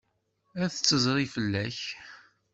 Ad d-tezri fell-ak.